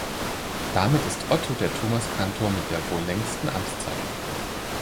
Damit ist Otto der Thomaskantor mit der wohl längsten Amtszeit.